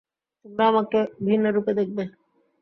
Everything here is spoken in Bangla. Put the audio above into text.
তোমরা আমাকে ভিন্ন রূপে দেখবে।